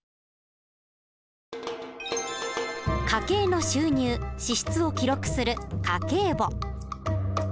家計の収入支出を記録する家計簿。